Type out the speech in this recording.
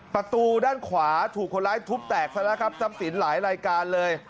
ประตูด้านขวาถูกคนร้ายทุบแตกซะแล้วครับทรัพย์สินหลายรายการเลย